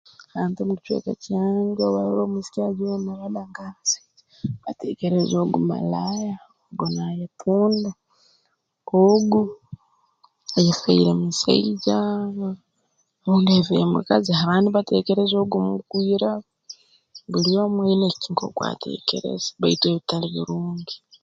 Abantu omu kicweka kyange obu barora omwisiki ajwaire endaba nk'abasaija bateekereza ogu malaaya ngu naayetunda ogu ayefoire musaija rundi ayefoire mukazi abandi bateekereza ogu mugwiraro buli omu aine ki nk'oku ateekereza baitu ebitali birungi